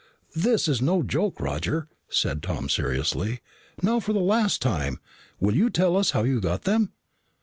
"This is no joke, Roger," said Tom seriously. "Now for the last time, will you tell us how you got them?"